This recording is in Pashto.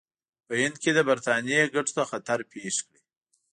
په هند کې د برټانیې ګټو ته خطر پېښ کړي.